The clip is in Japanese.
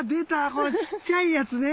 このちっちゃいやつね。